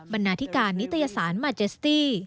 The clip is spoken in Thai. บรรณาธิการนิตยสารมัจเจสตี